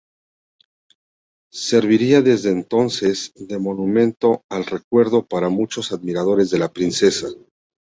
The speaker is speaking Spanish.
Serviría desde entonces de monumento al recuerdo para muchos admiradores de la princesa.